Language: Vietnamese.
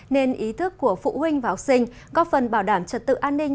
nên ý thức của phụ huynh và học sinh góp phần bảo đảm trật tự an ninh